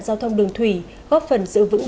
giao thông đường thủy góp phần giữ vững